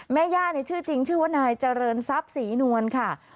แม่ย่าชื่อจริงชื่อว่านายเจริญทรัพย์ศรีนวลค่ะ